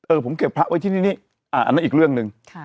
ผมเก็บพระไว้ที่นี่อันนั้นอีกเรื่องหนึ่ง